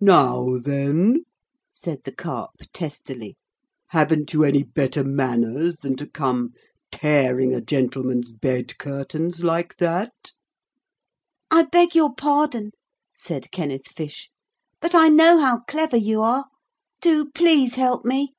'Now then,' said the Carp testily, 'haven't you any better manners than to come tearing a gentleman's bed curtains like that?' 'I beg your pardon,' said Kenneth Fish, 'but I know how clever you are. Do please help me.'